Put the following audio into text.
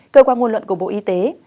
cơ quan nguồn luận của bộ y tế